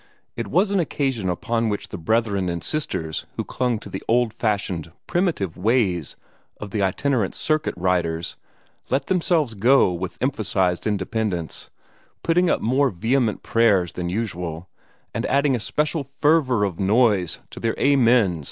It was an occasion upon which the brethren and sisters who clung to the old fashioned, primitive ways of the itinerant circuit riders, let themselves go with emphasized independence, putting up more vehement prayers than usual, and adding a special fervor of noise to their "Amens!"